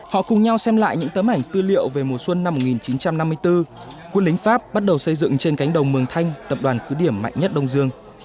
họ cùng nhau xem lại những tấm ảnh tư liệu về mùa xuân năm một nghìn chín trăm năm mươi bốn quân lính pháp bắt đầu xây dựng trên cánh đồng mường thanh tập đoàn cứ điểm mạnh nhất đông dương